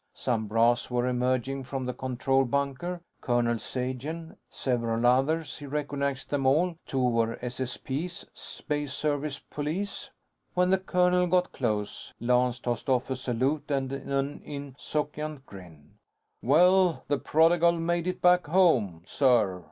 Some brass were emerging from the control bunker. Colonel Sagen, several others. He recognized them all. Two were SSP's Space Service Police. When the colonel got close, Lance tossed off a salute and an insouciant grin: "Well, the Prodigal made it back home, sir.